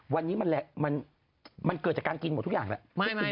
วันนี้มันเกิดจากการกินหมดทุกอย่างแล้ว